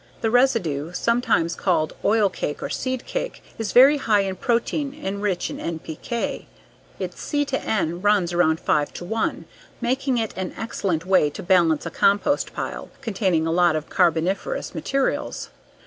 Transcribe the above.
The residue, sometimes called oil cake or seed cake, is very high in protein and rich in NPK. Its C/N runs around 5:1, making it an excellent way to balance a compost pile containing a lot of carboniferous materials.